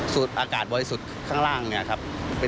สุดอากาศบ่อยสุดข้างล่างเนี่ยครับ